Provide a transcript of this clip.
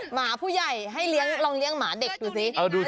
หมาผู้ใหญ่ให้เลี้ยงลองเลี้ยงหมาเด็กดูสิ